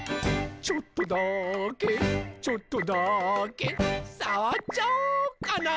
「ちょっとだけちょっとだけさわっちゃおうかな」